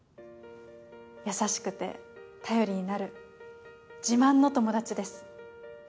優しくて頼りになる自慢の友達です。